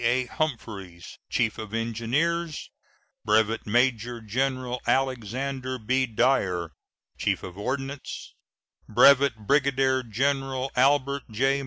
A. Humphreys, Chief of Engineers; Brevet Major General Alexander B. Dyer, Chief of Ordnance; Brevet Brigadier General Albert J.